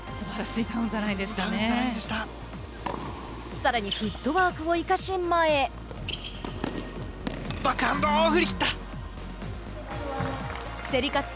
さらにフットワークを生かしバックハンド、振り切った。